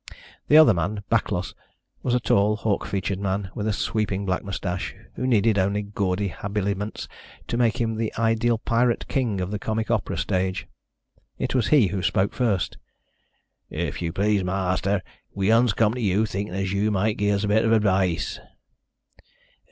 The other man, Backlos, was a tall, hawk featured man with a sweeping black moustache, who needed only gaudy habiliments to make him the ideal pirate king of the comic opera stage. It was he who spoke first. "If you please, ma'aster, we uns come to you thinkin' as you might gi' us a bit o' advice."